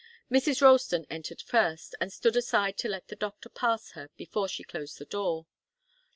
Mrs. Ralston entered first, and stood aside to let the doctor pass her before she closed the door.